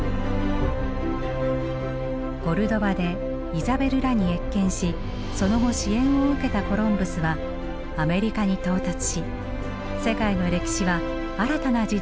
コルドバでイザベルらに謁見しその後支援を受けたコロンブスはアメリカに到達し世界の歴史は新たな時代を迎えていくことになります。